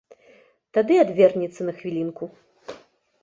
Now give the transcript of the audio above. Тады адвернецца на хвілінку.